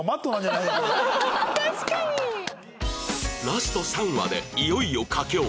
ラスト３話でいよいよ佳境